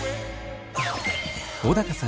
小高さん